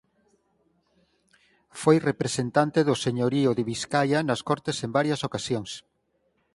Foi representante do señorío de Biscaia nas Cortes en varias ocasións.